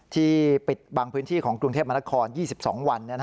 ที่ปิดบางพื้นที่ของกรุงเทพมนคร๒๒วัน